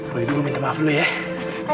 kalau gitu gue minta maaf lu ya